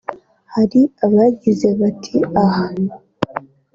hari abagize bati “aha